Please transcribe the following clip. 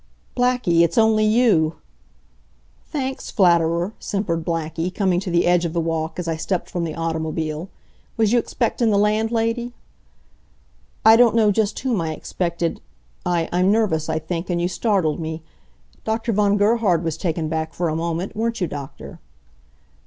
"Blackie! It's only you!" "Thanks, flatterer," simpered Blackie, coming to the edge of the walk as I stepped from the automobile. "Was you expectin' the landlady?" "I don't know just whom I expected. I I'm nervous, I think, and you startled me. Dr. Von Gerhard was taken back for a moment, weren't you, Doctor?"